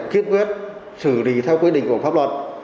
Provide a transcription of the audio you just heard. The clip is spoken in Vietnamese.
kiên quyết xử lý theo quy định của pháp luật